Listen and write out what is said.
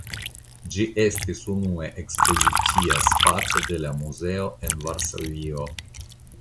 Ĝi estis unua ekspozicia spaco de la muzeo en Varsovio.